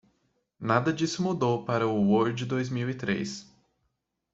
Nada disso mudou para o Word dois mil e três.